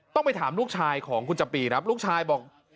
ไปถามลูกชายของคุณจำปีครับลูกชายบอก